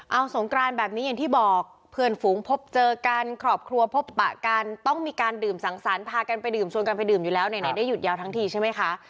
เอาสงกรานแบบนี้อย่างที่บอกเพื่อนฝูงพบเจอกันครอบครัวพบปะกันต้องมีการดื่มสังสรรค์พากันไปดื่มชวนกันไปดื่มอยู่แล้วไหนได้หยุดยาวทั้งทีใช่ไหมคะ